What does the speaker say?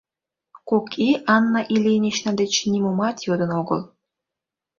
Кок ий Анна Ильинична деч нимомат йодын огыл.